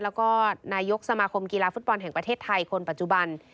แล้วก็นายกสมาคมกีฬาฟุตบอลแห่งประเทศไทยคนปัจจุบัน